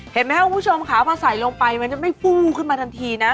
เห็นไหมครับคุณผู้ชมค่ะพอใส่ลงไปมันจะไม่ฟู้ขึ้นมาทันทีนะ